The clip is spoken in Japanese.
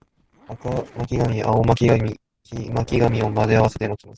赤巻紙、青巻紙、黄巻紙を混ぜ合わせて巻きます